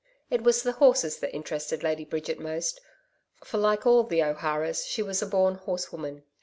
It was the horses that interested Lady Bridget most, for, like all the O'Haras, she was a born horsewoman.